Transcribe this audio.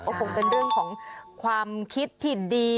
ก็คงเป็นเรื่องของความคิดที่ดี